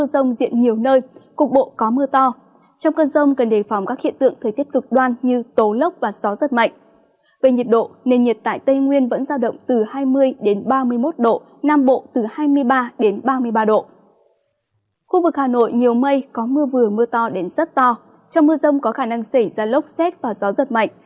trong mưa rông có khả năng xảy ra lốc xét và gió giật mạnh